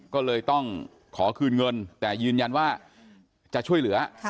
ก็เลยต้องขอคืนเงินแต่ยืนยันว่าจะช่วยเหลือ